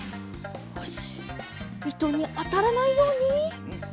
よしいとにあたらないように。